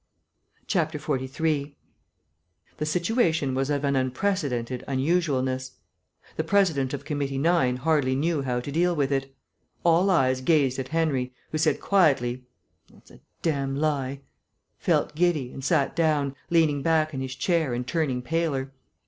43 The situation was of an unprecedented unusualness. The President of Committee 9 hardly knew how to deal with it. All eyes gazed at Henry, who said quietly, "That is a damned lie," felt giddy, and sat down, leaning back in his chair and turning paler.